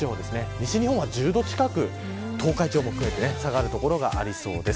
西日本は１０度近く東海地方も含めて下がる所がありそうです。